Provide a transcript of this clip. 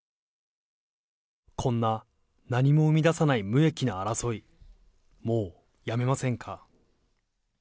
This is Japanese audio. こんな何も生み出さない無益な争い、もうやめませんか。